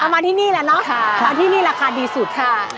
มาที่นี่แหละเนาะมาที่นี่ราคาดีสุดค่ะ